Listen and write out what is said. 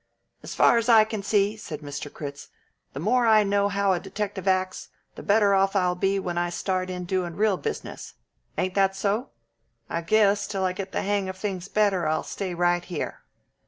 "As far as I can see," said Mr. Critz, "the more I know how a detective acts, the better off I'll be when I start in doin' real business. Ain't that so? I guess, till I get the hang of things better, I'll stay right here."